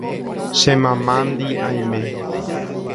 Che mamándi aime.